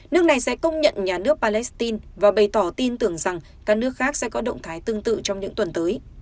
nước này sẽ công nhận nhà nước palestine và bày tỏ tin tưởng rằng các nước khác sẽ có động thái tương tự trong những tuần tới